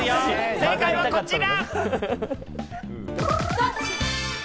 正解はこちら！